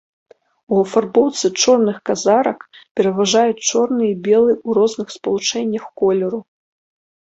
У афарбоўцы чорных казарак пераважаюць чорны і белы ў розных спалучэннях колеру.